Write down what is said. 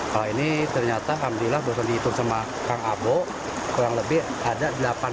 kalau ini ternyata alhamdulillah baru dihitung sama kang abo kurang lebih ada delapan